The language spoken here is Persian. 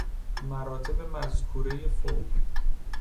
مراتب مذکورۀ فوق